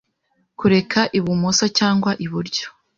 kureka Ibumoso cyangwa Iburyo